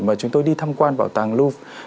mà chúng tôi đi thăm quan bảo tàng louvre